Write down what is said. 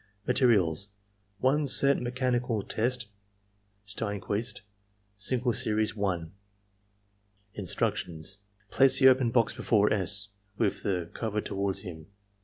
Materials. — One set mechanical test (Stenquist), single series 1.* Instructions, — Place the open box before S. with the cover toward him.